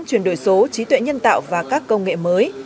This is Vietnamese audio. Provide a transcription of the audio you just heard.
chuyển đổi số trí tuệ nhân tạo và các công nghệ mới